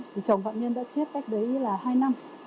thì chồng phạm nhân đã chết cách đấy là hai năm